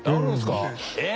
えっ！？